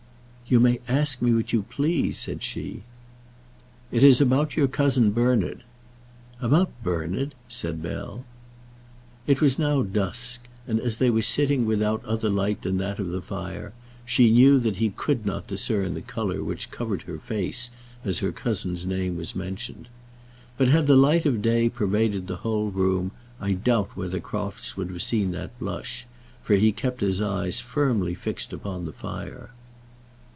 "You may ask me what you please," said she. "It is about your cousin Bernard." "About Bernard!" said Bell. It was now dusk; and as they were sitting without other light than that of the fire, she knew that he could not discern the colour which covered her face as her cousin's name was mentioned. But, had the light of day pervaded the whole room, I doubt whether Crofts would have seen that blush, for he kept his eyes firmly fixed upon the fire.